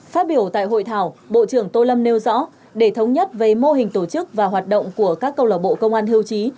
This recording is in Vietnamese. phát biểu tại hội thảo bộ trưởng tô lâm nêu rõ để thống nhất về mô hình tổ chức và hoạt động của các câu lạc bộ công an hiêu chí